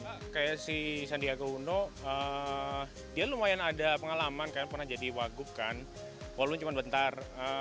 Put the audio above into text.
kalau pak kiai ma'ruf kayaknya si sandiaga uno dia lumayan ada pengalaman kayaknya pernah jadi wagub kan walaupun cuma bentar